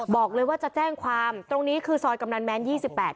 บอกเลยว่าจะแจ้งความตรงนี้คือซอยกำนันแม้นยี่สิบแปด